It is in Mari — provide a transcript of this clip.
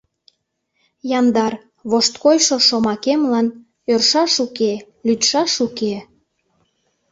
Яндар, вошткойшо шомакемлан Ӧршаш уке, лӱдшаш уке.